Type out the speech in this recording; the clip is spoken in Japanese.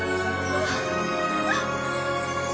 あっ。